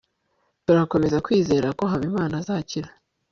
turakomeza kwizera ko habimana azakira